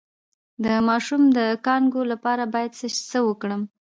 د ماشوم د کانګو لپاره باید څه وکړم؟